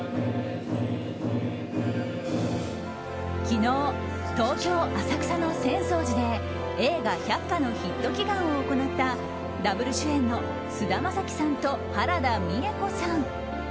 昨日、東京・浅草の浅草寺で映画「百花」のヒット祈願を行ったダブル主演の菅田将暉さんと原田美枝子さん。